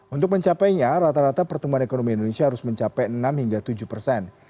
untuk mencapainya rata rata pertumbuhan ekonomi indonesia harus mencapai enam hingga tujuh persen